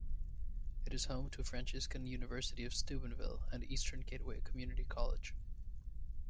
It is home to Franciscan University of Steubenville and Eastern Gateway Community College.